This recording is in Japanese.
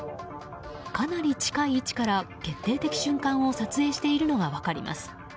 かなり近い位置から決定的瞬間を撮影しているのが分かります。